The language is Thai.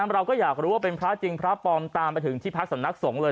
เราก็อยากรู้ว่าเป็นพระจริงพระปลอมตามไปถึงที่พักสำนักสงฆ์เลย